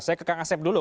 saya ke kang asep dulu